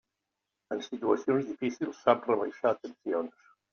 En situacions difícils sap rebaixar tensions.